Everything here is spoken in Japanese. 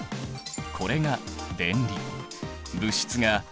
これが電離。